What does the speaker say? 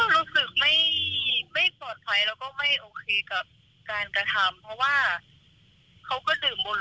รู้สึกไม่ปลอดภัยแล้วก็ไม่โอเคกับการกระทำเพราะว่าเขาก็ดื่มบน